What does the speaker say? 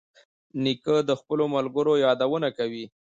نیکه د خپلو ملګرو یادونه کوي.